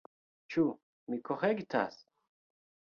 Ĉu mi korektas?